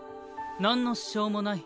なんの支障もない。